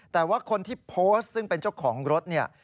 แต่ว่าคนที่โพสต์ซึ่งเป็นเจ้าของรถเนี่ย